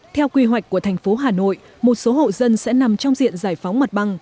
theo quy hoạch của thành phố hà nội một số hộ dân sẽ nằm trong diện giải phóng mặt bằng